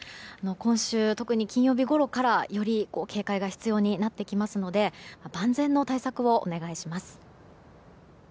今週、特に金曜日ごろからより警戒が必要になってきますので万全の対策をお願いします。